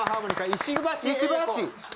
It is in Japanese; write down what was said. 石橋！